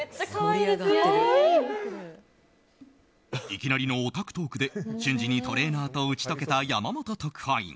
いきなりのオタクトークで瞬時にトレーナーと打ち解けた山本特派員。